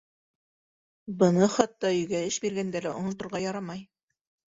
Быны хатта өйгә эш биргәндә лә оноторға ярамай.